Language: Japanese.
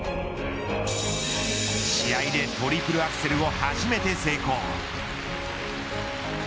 試合でトリプルアクセルを初めて成功。